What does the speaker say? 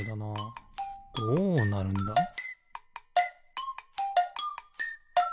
どうなるんだ？